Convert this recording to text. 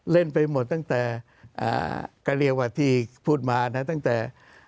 เล่นไปหมดตั้งแต่ก็เรียกว่าที่พูดมานะตั้งแต่